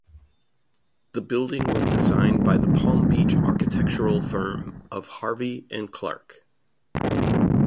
The building was designed by the Palm Beach architectural firm of Harvey and Clarke.